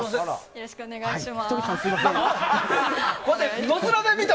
よろしくお願いします。